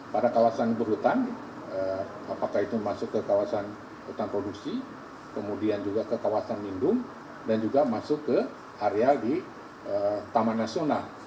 pada kawasan berhutang apakah itu masuk ke kawasan hutan produksi kemudian juga ke kawasan lindung dan juga masuk ke area di taman nasional